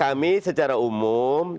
kami secara umum